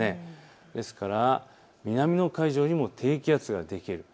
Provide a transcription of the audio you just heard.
ですから南の海上にも低気圧ができる。